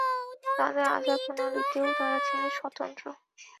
তাদের আচার-প্রণালীতেও তারা ছিল স্বতন্ত্র।